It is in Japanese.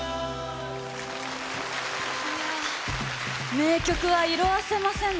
名曲は色あせませんね。